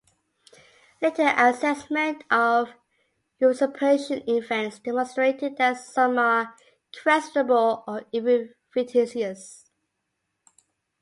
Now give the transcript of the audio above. Later assessment of usurpation events demonstrated that some are questionable or even fictitious.